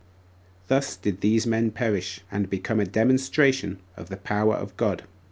Thus did these men perish, and become a demonstration of the power of God.